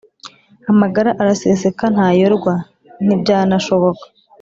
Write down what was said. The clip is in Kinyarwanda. Amagara araseseka ntayorwa nti byana shoboka